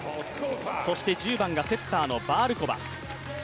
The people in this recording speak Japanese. １０番がセッターのバールコバ。